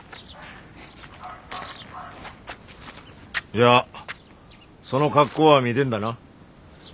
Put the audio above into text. じゃあその格好は見てんだな？